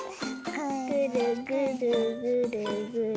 ぐるぐるぐるぐる。